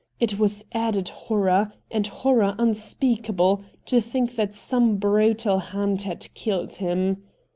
It was added horror, and horror unspeakable, to think that some brutal hand had killed him.